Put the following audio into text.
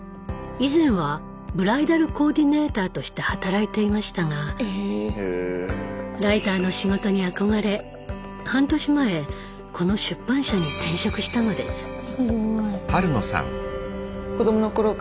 以前はブライダルコーディネーターとして働いていましたがライターの仕事に憧れ半年前この出版社に転職したのです。